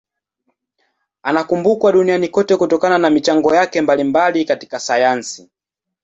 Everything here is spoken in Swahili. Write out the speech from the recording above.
Anakumbukwa duniani kote kutokana na michango yake mbalimbali katika sayansi.